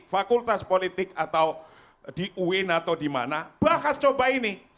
fakultas politik atau di uin atau di mana bahas coba ini